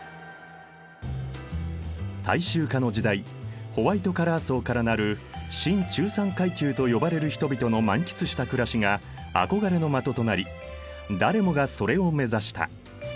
大衆化の時代ホワイトカラー層からなる新中産階級と呼ばれる人々の満喫した暮らしが憧れの的となり誰もがそれを目指した。